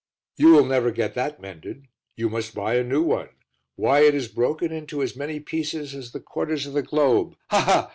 "You will never get that mended. You must buy a new one. Why, it is broken into as many pieces as the quarters of the globe. Ha, ha!